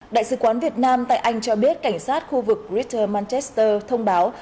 đại sứ quán việt nam tại anh cho biết cảnh sát khu vực greater manchester thông báo